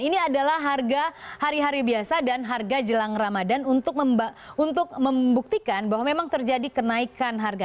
ini adalah harga hari hari biasa dan harga jelang ramadan untuk membuktikan bahwa memang terjadi kenaikan harga